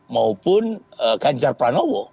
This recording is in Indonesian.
maupun ganjar pranowo